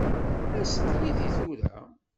As-d yid-i tura.